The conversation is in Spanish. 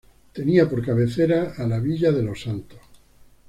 Tenía por cabecera a La Villa de Los Santos.